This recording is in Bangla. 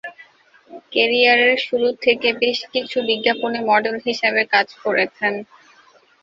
ক্যারিয়ারের শুরু থেকে বেশ কিছু বিজ্ঞাপনে মডেল হিসেবে কাজ করেছেন।